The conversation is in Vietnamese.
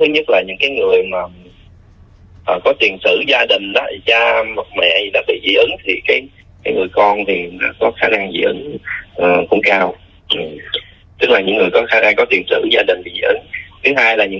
thứ nhất là những cái người mà có tiền sử gia đình cha mẹ bị dị ứng